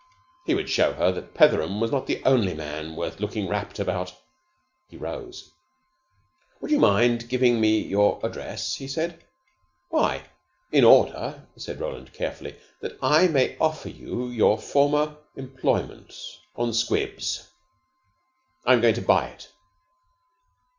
He would show her that Petheram was not the only man worth looking rapt about. He rose. "Would you mind giving me your address?" he said. "Why?" "In order," said Roland carefully, "that I may offer you your former employment on 'Squibs.' I am going to buy it."